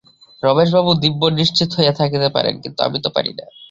রমেশবাবু দিব্য নিশ্চিন্ত হইয়া থাকিতে পারেন, কিন্তু আমি তো পারি না।